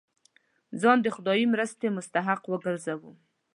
ځان د خدايي مرستې مستحق وګرځوو.